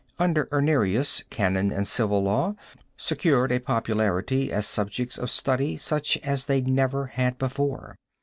Under Irnerius, canon and civil law secured a popularity as subjects of study such as they never had before.